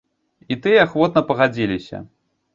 І тыя ахвотна пагадзіліся.